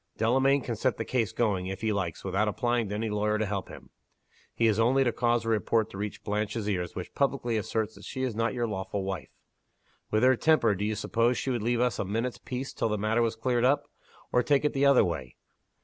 Delamayn can set the case going, if he likes, without applying to any lawyer to help him. He has only to cause a report to reach Blanche's ears which publicly asserts that she is not your lawful wife. With her temper, do you suppose she would leave us a minute's peace till the matter was cleared up? Or take it the other way.